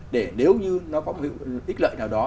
để nếu như nó có ít lợi nào đó